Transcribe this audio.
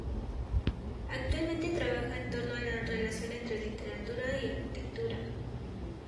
Actualmente trabaja en torno a la relación entre literatura y arquitectura.